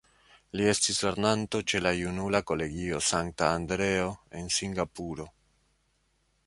Li estis lernanto ĉe la Junula Kolegio Sankta Andreo en Singapuro.